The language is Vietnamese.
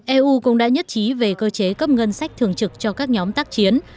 eu cũng đã nhất trí về cơ chế cấp ngân sách thường trực cho các nhóm tác chiến